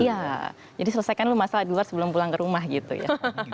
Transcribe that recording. iya jadi selesaikan dulu masalah di luar sebelum pulang ke rumah gitu ya